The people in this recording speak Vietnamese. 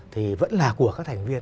thì vẫn là của các thành viên